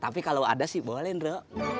tapi kalo ada sih boleh nro